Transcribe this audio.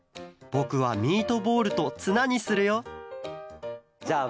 ぼくはミートボールとツナにするよじゃあ